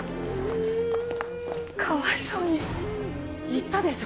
かわいそうに言ったでしょ